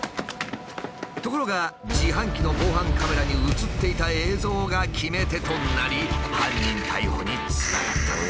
ところが自販機の防犯カメラに映っていた映像が決め手となり犯人逮捕につながったのだ。